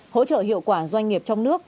hỗ trợ hiệu quả doanh nghiệp trong nước